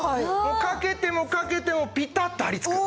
かけてもかけてもピタッと張りつく。